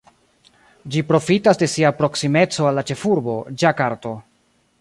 Ĝi profitas de sia proksimeco al la ĉefurbo, Ĝakarto.